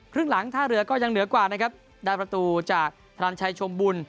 ครึ่งหลังท่าเรือก็ยังเหนือกว่านะครับได้ประตูจากธนันชัยชมบุญ